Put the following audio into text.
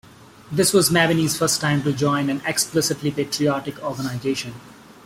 This was Mabini's first time to join an explicitly patriotic organization.